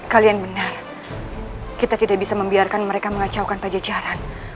kalian benar kita tidak bisa membiarkan mereka mengacaukan pajajaran